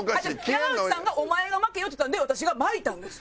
山内さんが「お前が巻けよ」って言ったんで私が巻いたんです。